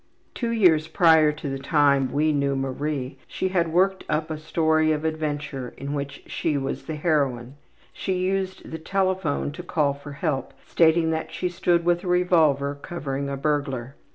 Two years prior to the time we knew Marie she had worked up a story of adventure in which she was the heroine. She used the telephone to call for help, stating that she stood with a revolver covering a burglar.